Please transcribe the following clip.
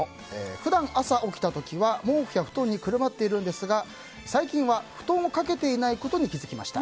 普段、朝起きた時は毛布や布団にくるまっているんですが最近は布団をかけていないことに気づきました。